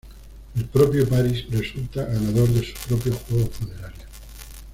El propio Paris resulta ganador de sus propios juegos funerarios.